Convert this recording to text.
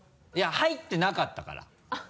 いや入ってなかったから。